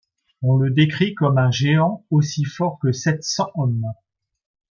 On le décrit comme un géant, aussi fort que sept cents hommes.